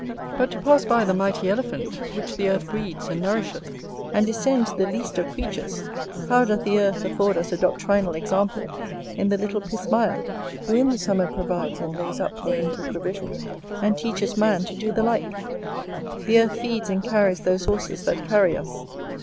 But to pass by the mighty Elephant, which the Earth breeds and nourisheth, and descend to the least of creatures, how doth the earth afford us a doctrinal example in the little Pismire, who in the summer provides and lays up her winter provision, and teaches man to do the like! The earth feeds and carries those horses that carry us.